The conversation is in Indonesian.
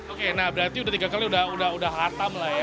oke nah berarti udah tiga kali udah hatam lah ya